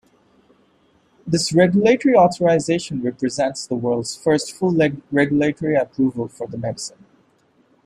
This regulatory authorization represents the world's first full regulatory approval for the medicine.